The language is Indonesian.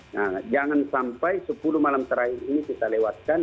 nah jangan sampai sepuluh malam terakhir ini kita lewatkan